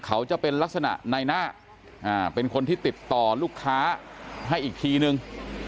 เขาจะเป็นลักษณะในหน้าเป็นคนที่ติดต่อลูกค้าให้อีกทีนึง